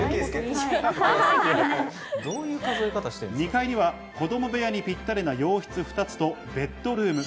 ２階には子供部屋にぴったりな洋室２つとベッドルーム。